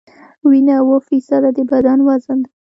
وینه اووه فیصده د بدن وزن ده.